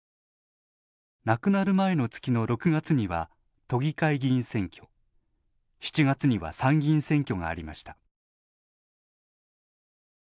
亡くなる前の月の６月には都議会議員選挙７月には参議院選挙がありました。